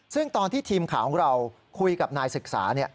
ซึ่งตอนที่ทีมข่าวของเราคุยกับนายศึกษา